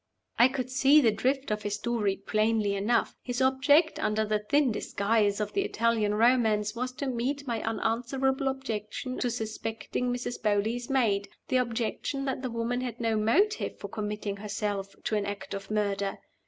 I could see the drift of his story plainly enough. His object, under the thin disguise of the Italian romance, was to meet my unanswerable objection to suspecting Mrs. Beauly's maid the objection that the woman had no motive for committing herself to an act of murder.